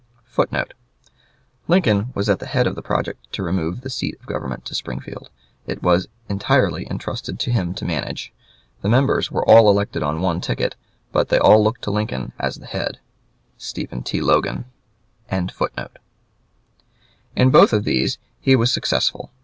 [Footnote: "Lincoln was at the head of the project to remove the seat of government to Springfield; it was entirely intrusted to him to manage. The members were all elected on one ticket, but they all looked to Lincoln as the head" STEPHEN T, LOGAN.] In both of these he was successful.